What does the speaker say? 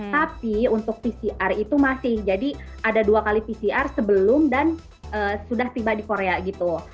tapi untuk pcr itu masih jadi ada dua kali pcr sebelum dan sudah tiba di korea gitu